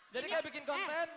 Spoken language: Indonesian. jadi kayak bikin konten